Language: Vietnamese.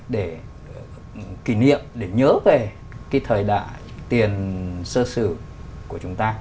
để kỷ niệm để nhớ về cái thời đại tiền sơ sử của chúng ta